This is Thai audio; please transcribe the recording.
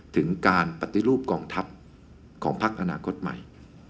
ถึงการปฏิรูปกองทัพของพักอนาคตใหม่